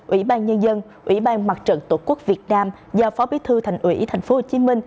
ủy ban nhân dân ủy ban mặt trận tổ quốc việt nam do phó bí thư thành ủy tp hcm